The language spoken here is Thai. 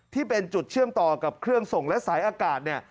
ที่เป็นจุดเชื่อมต่อกับเครื่องส่งและสายอากาศเนี่ย